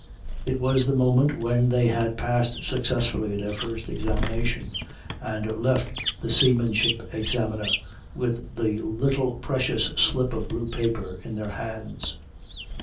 It was the moment when they had passed successfully their first examination and left the seamanship Examiner with the little precious slip of blue paper in their hands.